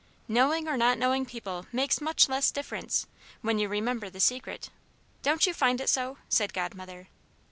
"Knowing or not knowing people makes much less difference when you remember the Secret. Don't you find it so?" said Godmother.